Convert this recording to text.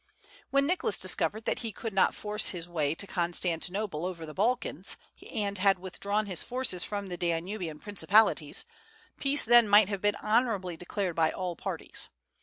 When Nicholas discovered that he could not force his way to Constantinople over the Balkans, and had withdrawn his forces from the Danubian principalities, peace then might have been honorably declared by all parties.